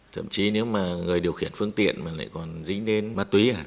thậm chí nếu mà người điều khiển phương tiện mà lại còn dính đến mát túy à